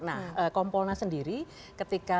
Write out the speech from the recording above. nah kompona sendiri ketika